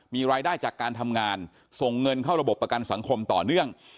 มีรายได้จากการทำงานส่งเงินเข้าระบบประกันสังคมต่อเนื่อง